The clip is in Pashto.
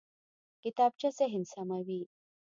کتابچه ذهن سموي